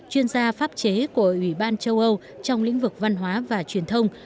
chuyên gia pháp chế của ủy ban châu âu trong lĩnh vực văn hóa và truyền thông